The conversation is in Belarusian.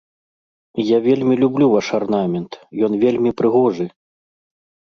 І я вельмі люблю ваш арнамент, ён вельмі прыгожы!